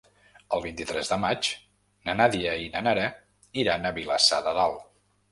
El vint-i-tres de maig na Nàdia i na Nara iran a Vilassar de Dalt.